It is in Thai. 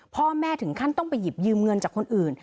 พ่อแม่ถึงขั้นต้องไปหยิบยืมเงินจากคนอื่น